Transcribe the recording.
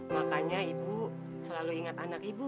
makanya ibu selalu ingat anak ibu